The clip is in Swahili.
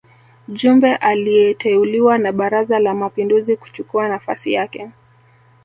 Jumbe aliteuliwa na Baraza la Mapinduzi kuchukua nafasi yake